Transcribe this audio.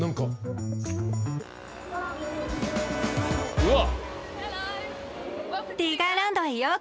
うわっ！